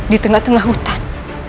di tengah tengah hutan